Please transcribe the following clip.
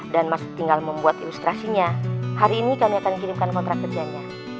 dan mas tinggal membuat ilustrasinya hari ini kami akan kirimkan kontrak kerjanya